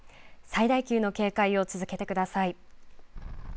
最大級の警戒を続けてください。